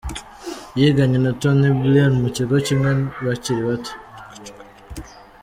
Yiganye na Tony Blair mu kigo kimwe bakiri bato.